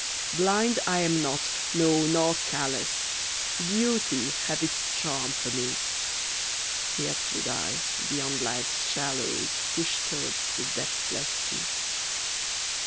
Blind I am not, no, nor callous; Beauty hath its charm for me. Yet would I, beyond life's shallows, Push towards the depthless sea.